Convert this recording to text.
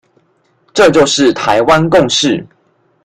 這就是台灣共識